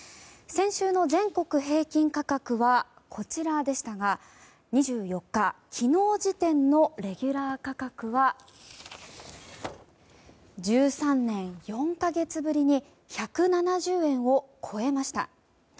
先週の全国平均価格はこちらでしたが２４日昨日時点のレギュラー価格は１３年４か月ぶりに１７０円を超えました。